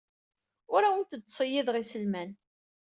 Ur awent-d-ttṣeyyideɣ iselman.